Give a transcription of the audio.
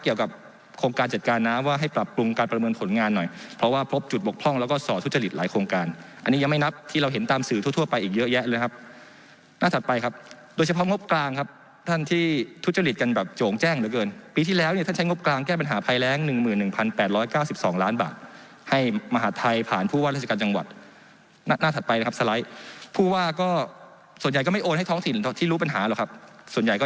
ปบชปบศปบศปบศปบศปบศปบศปบศปบศปบศปบศปบศปบศปบศปบศปบศปบศปบศปบศปบศปบศปบศปบศปบศปบศปบศปบศปบศ